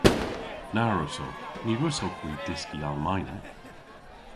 Na wrussowgh. Ny wrussowgh hwi dyski Almaynek.